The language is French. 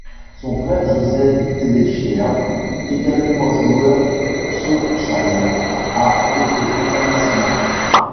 Son frère Joseph Tellechéa, également joueur sochalien, a été international.